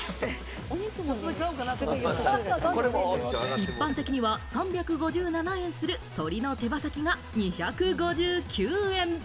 一般的には３５７円する鶏の手羽先が２５９円。